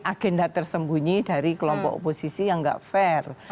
agenda tersembunyi dari kelompok oposisi yang nggak fair